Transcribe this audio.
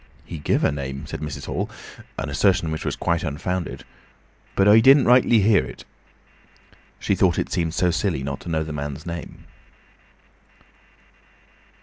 "He give a name," said Mrs. Hall—an assertion which was quite unfounded—"but I didn't rightly hear it." She thought it seemed so silly not to know the man's name.